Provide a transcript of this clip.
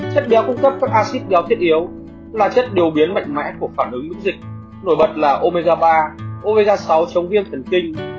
chất béo cung cấp các acid béo thiết yếu là chất điều biến mạnh mẽ của phản ứng dịch nổi bật là omega ba omega sáu chống viêm thần kinh